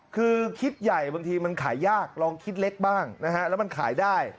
คือคิดใหญ่บางทีมันขายยากลองคิดเล็กบ้างนะฮะแล้วมันขายได้